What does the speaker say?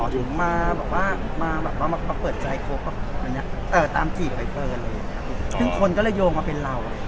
ถึงมาเปิดสายครบตามจีดไอ้เฟิร์นซึ่งคนก็เลยโยงมาเป็นเรา